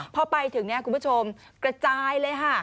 พอไปถึงเนี่ยคุณผู้ชมกระจายเลยค่ะ